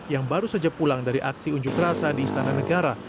yang baru saja pulang dari aksi unjuk rasa di istana negara